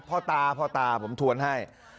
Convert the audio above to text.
พ่อตาพ่อตาผมทวนให้